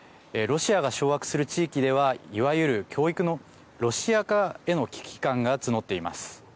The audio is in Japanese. ロシアが掌握する地域ではいわゆる教育のロシア化への危機感が募っています。